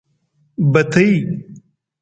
بتۍ.